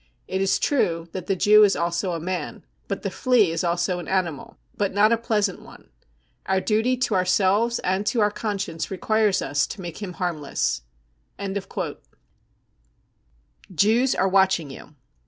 It is true that the Jew is also a man ... but the flea is also an animal — but not a pleasant one ... our duty to ourselves and to our conscience requires us ... to make | him harmless." I Jews are Watching You!